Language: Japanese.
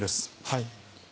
はい。